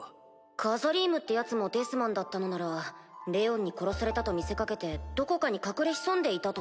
カザリームってヤツもデスマンだったのならレオンに殺されたと見せかけてどこかに隠れ潜んでいたとか？